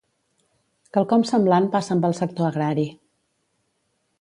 Quelcom semblant passa amb el sector agrari.